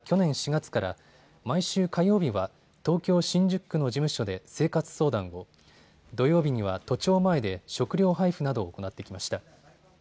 ＮＰＯもやいは新型コロナウイルスの感染が拡大した去年４月から毎週火曜日は東京新宿区の事務所で生活相談を、土曜日には都庁前で食料配布などを行ってきました。